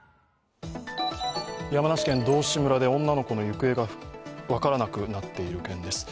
山梨県道志村で女の子の行方が分からなくなっている件です。